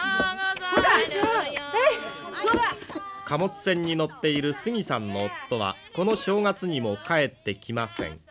貨物船に乗っているスギさんの夫はこの正月にも帰ってきません。